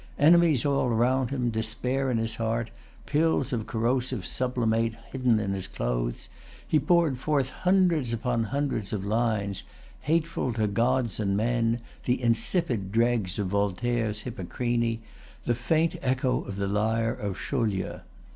[Pg 309] Enemies all round him, despair in his heart, pills of corrosive sublimate hidden in his clothes, he poured forth hundreds upon hundreds of lines, hateful to gods and men, the insipid dregs of Voltaire's Hippocrene, the faint echo of the lyre of Chaulieu.